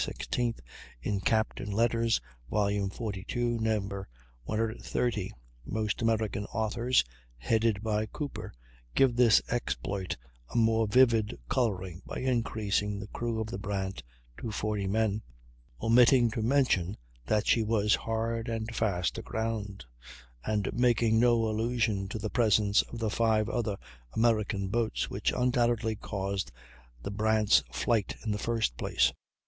16th (in "Captains' Letters," vol. 42, No. 130). Most American authors, headed by Cooper, give this exploit a more vivid coloring by increasing the crew of the Brant to forty men, omitting to mention that she was hard and fast aground, and making no allusion to the presence of the five other American boats which undoubtedly caused the Brant's flight in the first place.